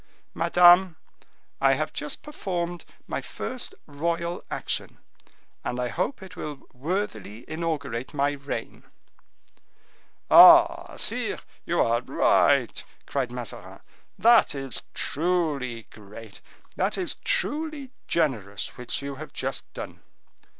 "Madame, I have just performed my first royal action, and I hope it will worthily inaugurate my reign." "Ah! sire, you are right!" cried Mazarin; "that is truly great—that is truly generous which you have just done."